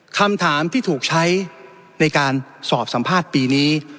คำถามที่ถูกใช้ในการสอบสัมภาษณ์ปีนี้